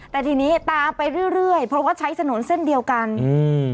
แต่ทีนี้ตามไปเรื่อยเรื่อยเพราะว่าใช้ถนนเส้นเดียวกันอืม